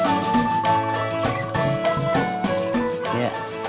aku baru pulang kemalsin